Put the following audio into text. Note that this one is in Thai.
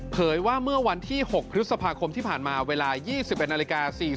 เขยว่าเมื่อวันที่หกพฤษภาคมที่ผ่านมาเวลา๒๐นานะคะ